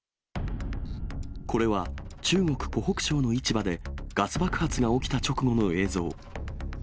これは、中国・湖北省の市場で、ガス爆発が起きた直後の映像。